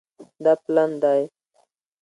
دا پلن دی